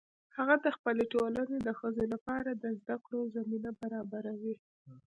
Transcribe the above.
هغه د خپلې ټولنې د ښځو لپاره د زده کړو زمینه برابروي